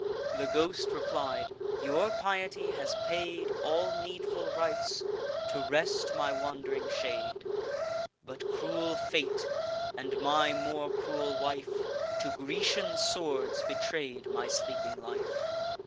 The ghost replied: "Your piety has paid All needful rites, to rest my wand'ring shade; But cruel fate, and my more cruel wife, To Grecian swords betray'd my sleeping life.